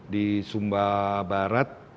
di sumba barat